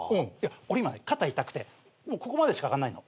俺今ね肩痛くてここまでしか上がんないの。